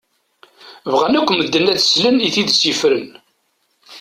Bɣan akk medden ad slen i tidett yefren.